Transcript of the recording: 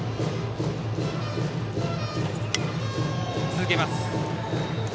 続けます。